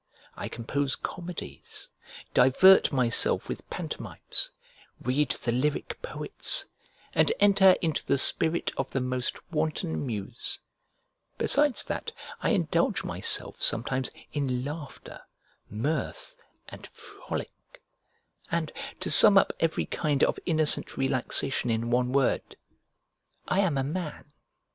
I compose comedies, divert myself with pantomimes, read the lyric poets, and enter into the spirit of the most wanton muse, besides that, I indulge myself sometimes in laughter, mirth, and frolic, and, to sum up every kind of innocent relaxation in one word, I am a man.